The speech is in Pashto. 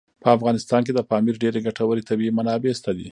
په افغانستان کې د پامیر ډېرې ګټورې طبعي منابع شته دي.